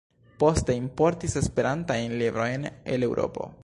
Poste importis Esperantajn librojn el Eŭropo.